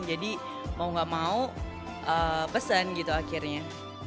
jadi mau nggak mau pesen gitu akhirnya